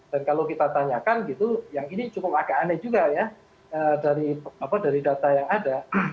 dan kalau kita tanyakan gitu yang ini cukup agak aneh juga ya dari data yang ada